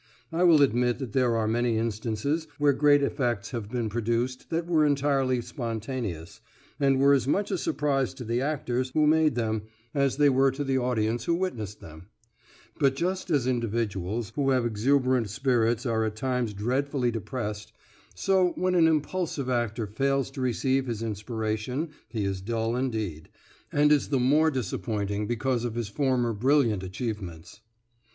I will admit that there are many instances where great effects have been produced that were entirely spontaneous, and were as much a surprise to the actors who made them as they were to the audience who witnessed them; but just as individuals who have exuberant spirits are at times dreadfully depressed, so when an impulsive actor fails to receive his inspiration he is dull indeed, and is the more disappointing because of his former brilliant achievements.